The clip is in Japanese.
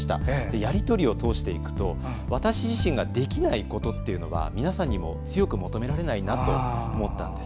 やり取りを通していくと私自身ができないことは皆さんにも強く求められないなと思ったんです。